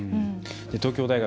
東京大学